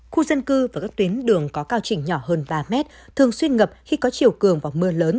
khu dân cư và các tuyến đường có cao trình nhỏ hơn ba mét thường xuyên ngập khi có chiều cường và mưa lớn